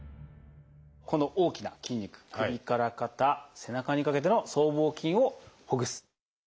この大きな筋肉首から肩背中にかけての僧帽筋をほぐす。